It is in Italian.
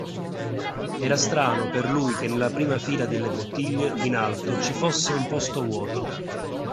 Era strano per lui che nella prima fila delle bottiglie, in alto, ci fosse un posto vuoto.